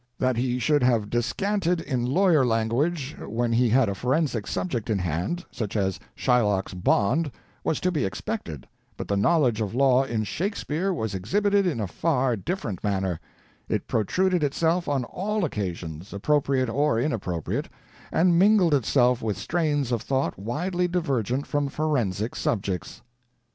That he should have descanted in lawyer language when he had a forensic subject in hand, such as Shylock's bond, was to be expected, but the knowledge of law in 'Shakespeare' was exhibited in a far different manner: it protruded itself on all occasions, appropriate or inappropriate, and mingled itself with strains of thought widely divergent from forensic subjects."